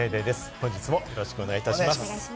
本日もよろしくお願いいたします。